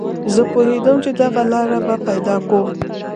زه پوهېدم چې دغه لاره به پیدا کوم